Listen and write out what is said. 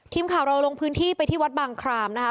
ทีมข่าวเราลงพื้นที่ไปที่วัดบางครามนะคะ